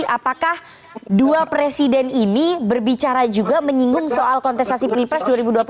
apakah dua presiden ini berbicara juga menyinggung soal kontestasi pilpres dua ribu dua puluh empat